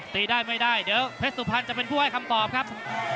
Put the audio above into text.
ตีได้ไม่ได้เดี๋ยวเพชรสุพรรณจะเป็นผู้ให้คำตอบครับ